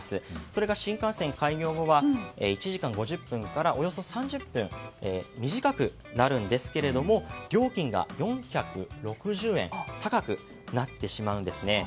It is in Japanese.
それが新幹線開業後は１時間５０分からおよそ３０分短くなるんですが料金が４６０円高くなってしまうんですね。